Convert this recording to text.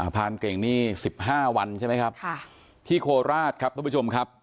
ผ่านเกรงนี้สิบห้าวันใช่ไหมครับค่ะที่โคลราชครับทุกผู้ชมครับ